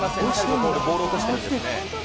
ここでボールを落としてるんですね。